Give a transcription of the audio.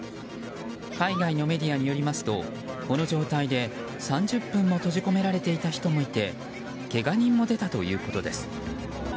海外のメディアによりますとこの状態で３０分も閉じ込められていた人もいてけが人も出たということです。